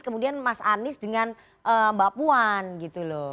kemudian mas anies dengan mbak puan gitu loh